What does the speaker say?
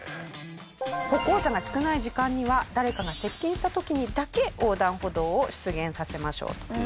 歩行者が少ない時間には誰かが接近した時にだけ横断歩道を出現させましょうと。